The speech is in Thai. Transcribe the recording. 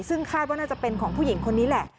ซึ่งคาดว่าน่าจะเป็นของผู้หญิงคนนี้แหละ